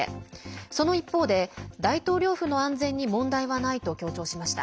その一方で大統領府の安全に問題はないと強調しました。